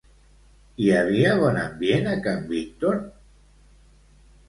Hi havia bon ambient a can Víctor?